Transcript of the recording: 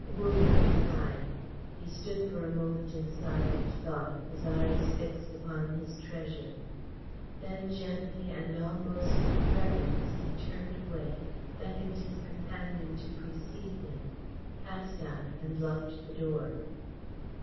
Wu Ling sighed. He stood for a moment in silent thought, his eyes fixed upon his treasure. Then gently and almost with reverence he turned away, beckoned his companion to precede him, passed out and locked the door.